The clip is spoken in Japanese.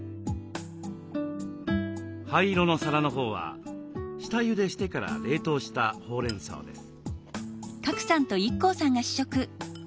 灰色の皿のほうは下ゆでしてから冷凍したほうれんそうです。